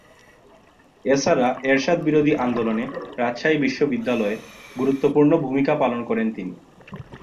এছাড়া এরশাদ বিরোধী আন্দোলনে রাজশাহী বিশ্ববিদ্যালয়ে গুরুত্বপূর্ণ ভূমিকা পালন করেন তিনি।